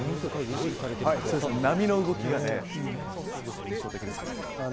波の動きがね、すごく印象的ですけど。